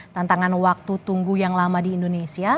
tantangan waktu tunggu yang lama di indonesia